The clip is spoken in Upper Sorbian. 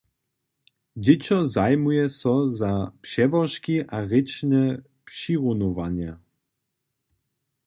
Dźěćo zajimuje so za přełožki a rěčne přirunowanja.